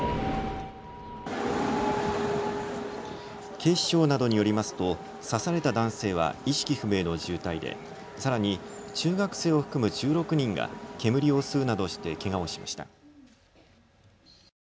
警視庁などによりますと刺された男性は意識不明の重体でさらに中学生を含む１６人が煙を吸うなどしてけがをしました。